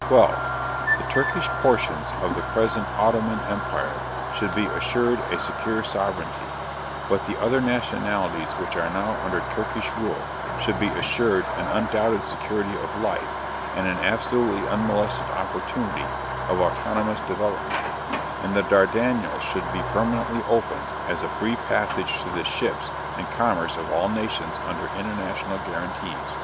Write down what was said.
12. _The Turkish portions of the present Ottoman Empire should be assured a secure sovereignty, but the other nationalities which are now under Turkish rule should be assured an undoubted security of life and an absolutely unmolested opportunity of autonomous development, and the Dardanelles should be permanently opened as a free passage to the ships and commerce of all nations under international guarantees.